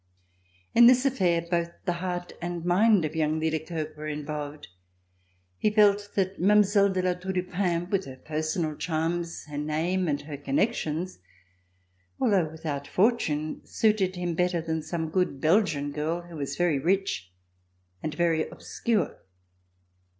In this affair both the heart and mind of young Liedekerke were involved. He felt that Mile, de La Tour du Pin, with her personal charms, her name and her connections, although without fortune, suited him better than some good Belgian girl who was very rich and very obscure.